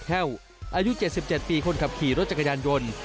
แค่วอายุ๗๗ปีคนขับขี่รถจักรยานยนต์